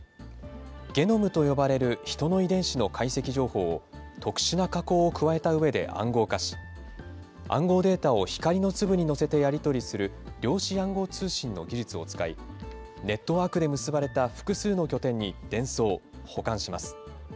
ゲノムと呼ばれる人の遺伝子の解析情報を、特殊な加工を加えたうえで暗号化し、暗号データを光の粒に乗せてやり取りする、量子暗号通信の技術を使い、ネットワークで結ばれた複数の拠点に伝送、保管します。